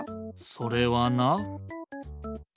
それはな。